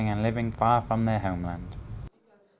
mặc dù đã đi nhiều thành phố lớn khắp thế giới như mỹ úc